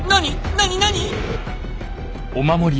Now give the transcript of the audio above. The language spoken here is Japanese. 何何？